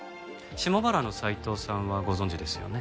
下原の斉藤さんはご存じですよね？